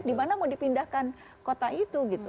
dimana mau dipindahkan kota itu gitu